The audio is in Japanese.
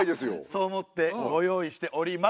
そう思ってご用意しております。